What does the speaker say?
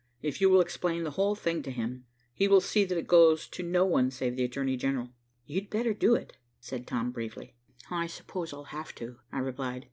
If you will explain the whole thing to him, he will see that it goes to no one save the Attorney General." "You'd better do it," said Tom briefly. "I suppose I'll have to," I replied.